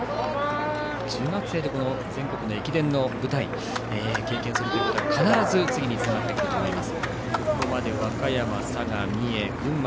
中学生で全国の駅伝の舞台を経験することは、必ず次につながってくると思います。